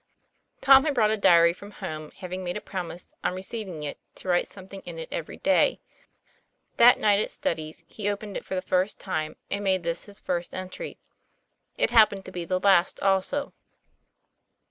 Tom had brought a diary from home having made a promise on receiving it to write something in it every day. That night at studies, he opened it for the first time, and made this his first entry. It hap pened to be the last also.